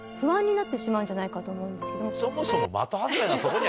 そもそも。